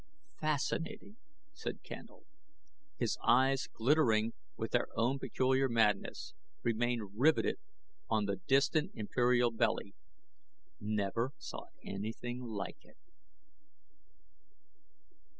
"Fascinating!" said Candle. His eyes, glittering with their own peculiar madness, remained riveted on the distant imperial belly. "Never saw anything like it!"